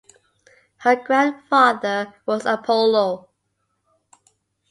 Her grandfather was Apollo.